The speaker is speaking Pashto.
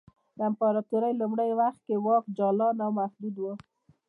د امپراتورۍ په لومړیو کې واک جالانو محدود و